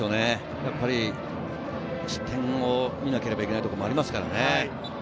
やっぱり失点を見なければいけないところもありますからね。